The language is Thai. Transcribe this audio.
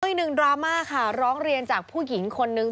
อีกหนึ่งดราม่าค่ะร้องเรียนจากผู้หญิงคนนึง